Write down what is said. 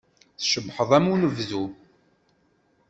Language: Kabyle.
Tcebḥeḍ am unebdu.